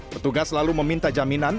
petugas selalu meminta jaminan